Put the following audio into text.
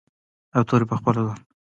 دا توری پخپله ځوان محققین ګمراه کوي.